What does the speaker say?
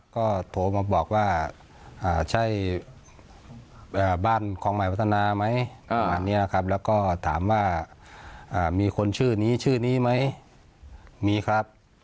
ก็โทรมาบอกว่าใช่บ้านคลองใหม่พัฒนาไหมประมาณนี้ครับแล้วก็ถามว่ามีคนชื่อนี้ชื่อนี้ไหมมีครับ